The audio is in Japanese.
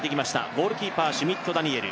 ゴールキーパー、シュミット・ダニエル。